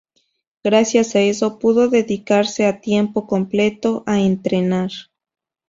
Gracias a eso pudo dedicarse a tiempo completo a entrenar.